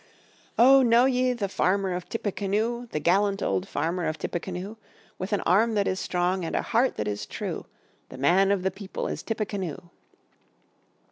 "Oh, know ye the farmer of Tippecanoe? The gallant old farmer of Tippecanoe? With an arm that is strong and a heart that is true, The man of the people is Tippecanoe."